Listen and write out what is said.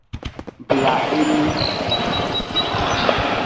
Bla enu.